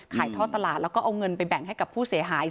ท่อตลาดแล้วก็เอาเงินไปแบ่งให้กับผู้เสียหาย